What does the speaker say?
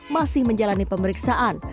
masih menjalani pemeriksaan